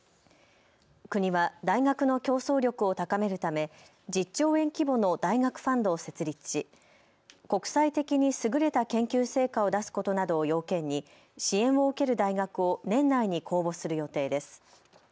国は大学の競争力を高めるため１０兆円規模の大学ファンドを設立し国際的にすぐれた研究成果を出すことなどを要件に支援を受ける大学を年内に公募する予定です。